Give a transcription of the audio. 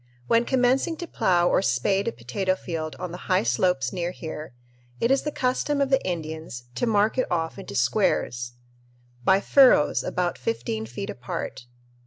When commencing to plough or spade a potato field on the high slopes near here, it is the custom of the Indians to mark it off into squares, by "furrows" about fifteen feet apart.